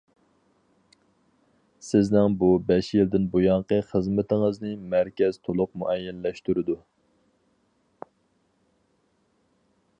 سىزنىڭ بۇ بەش يىلدىن بۇيانقى خىزمىتىڭىزنى مەركەز تولۇق مۇئەييەنلەشتۈرىدۇ.